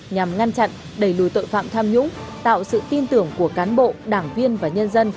nhằm ngăn chặn đẩy lùi tội phạm tham nhũng tạo sự tin tưởng của cán bộ đảng viên và nhân dân